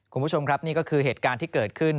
คุณผู้ชมครับนี่ก็คือเหตุการณ์ที่เกิดขึ้น